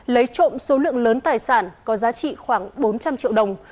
lấy trộm số lượng lớn tài sản có giá trị khoảng bốn trăm linh triệu đồng